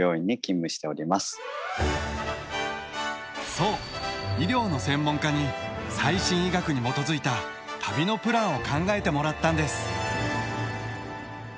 そう医療の専門家に最新医学に基づいた旅のプランを考えてもらったんです。